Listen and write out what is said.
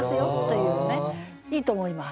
いいと思います。